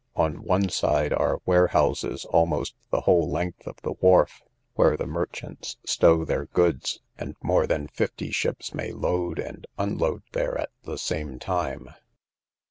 On one side are warehouses almost the whole length of the wharf, where the merchants stow their goods; and more than fifty ships may load and unload there at the same time.